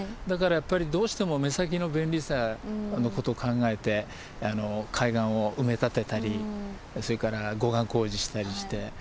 だからやっぱりどうしても目先の便利さのこと考えて海岸を埋め立てたりそれから護岸工事したりして。